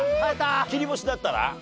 切り干しだったら？